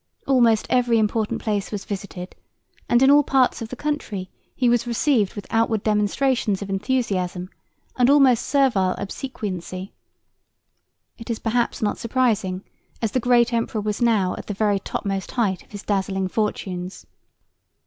Almost every important place was visited, and in all parts of the country he was received with outward demonstrations of enthusiasm and almost servile obsequiency. It is perhaps not surprising, as the great emperor was now at the very topmost height of his dazzling fortunes.